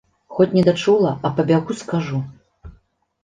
Хоць недачула, а пабягу скажу.